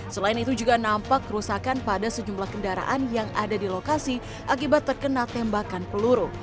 selain itu juga nampak kerusakan pada sejumlah kendaraan yang ada di lokasi akibat terkena tembakan peluru